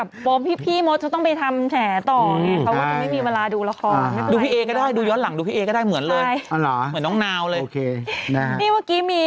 สวมเฮดีมันยังได้เงินแต่เพลินมันคือไม่ได้เงินใช่ไหม